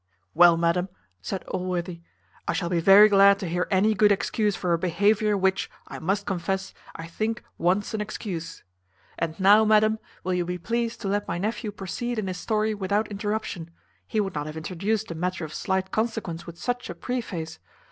"Well, madam," said Allworthy, "I shall be very glad to hear any good excuse for a behaviour which, I must confess, I think wants an excuse. And now, madam, will you be pleased to let my nephew proceed in his story without interruption. He would not have introduced a matter of slight consequence with such a preface.